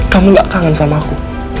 kamu gak kangen sama aku